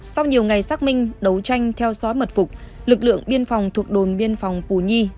sau nhiều ngày xác minh đấu tranh theo dõi mật phục lực lượng biên phòng thuộc đồn biên phòng pù nhi